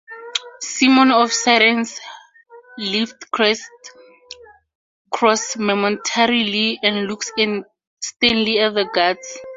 Simon of Cyrene lifts Christ's cross momentarily and looks sternly at the guards.